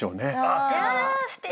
すてき。